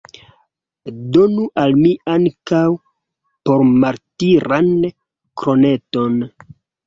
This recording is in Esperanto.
Donu al mi ankaŭ pormartiran kroneton!